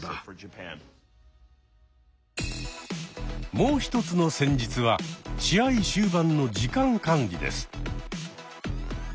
もう一つの戦術は試合終盤の時間管理です。